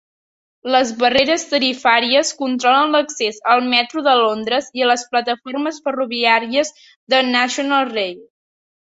Les barreres tarifàries controlen l"accés al metro de Londres i a les plataformes ferroviàries de National Rail.